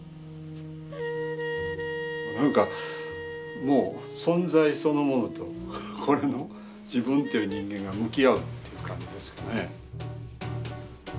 何かもう存在そのものとこれの自分という人間が向き合うという感じですかね。